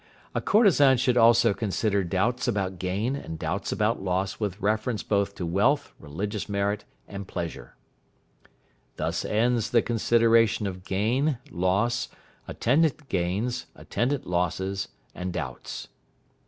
A courtesan should also consider doubts about gain and doubts about loss with reference both to wealth, religious merit, and pleasure. Thus ends the consideration of gain, loss, attendant gains, attendant losses, and doubts.